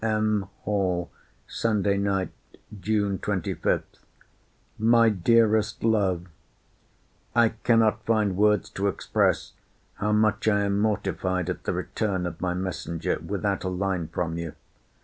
] M. HALL, SUNDAY NIGHT, JUNE 25. MY DEAREST LOVE, I cannot find words to express how much I am mortified at the return of my messenger without a line from you.